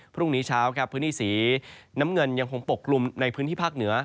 พรุ่งนี้เช้าครับพื้นที่สีน้ำเงินยังคงปกลุ่มในพื้นที่ภาคเหนือ